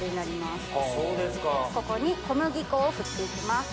ここに小麦粉を振って行きます。